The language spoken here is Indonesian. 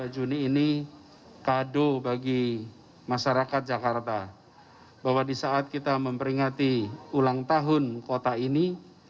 dua puluh juni ini kado bagi masyarakat jakarta bahwa di saat kita memperingati ulang tahun kota ini